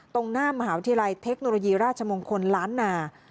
ตรงหน้ามหาวิทยาลัยเทคโนโลยีราชมงคลล้านนา